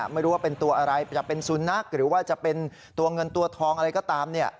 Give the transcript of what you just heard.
ไม่รู้ว่าเป็นตัวอะไรจะเป็นสุนัขหรือว่าจะเป็นตัวเงินตัวทองอะไรก็ตาม